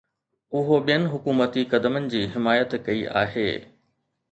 اهو ٻين حڪومتي قدمن جي حمايت ڪئي آهي.